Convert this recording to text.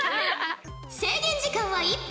制限時間は１分。